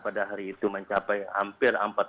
pada hari itu mencapai hampir